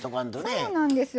そうなんですよ。